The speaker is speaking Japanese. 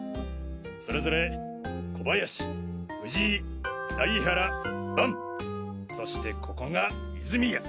それぞれ小林藤井大江原伴そしてここが泉谷。